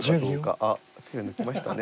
あっ手抜きましたね。